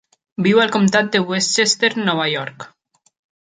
Viu al comtat de Westchester, Nova York.